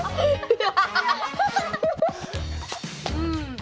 うん。